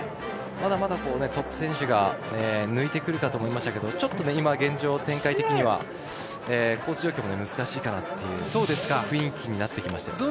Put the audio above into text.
まだまだトップ選手が抜いてくるかと思いましたけどちょっと現状、展開的にはコース状況が難しいかなという雰囲気になってきました。